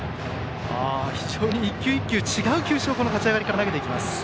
非常に１球１球違うボールをこの立ち上がりから投げてきます。